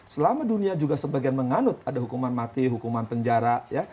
selama dunia juga sebagian menganut ada hukuman mati hukuman penjara ya